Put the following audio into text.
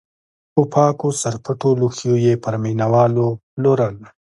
په پاکو سرپټو لوښیو یې پر مینه والو پلورل.